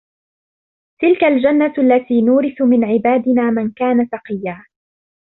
تِلْكَ الْجَنَّةُ الَّتِي نُورِثُ مِنْ عِبَادِنَا مَنْ كَانَ تَقِيًّا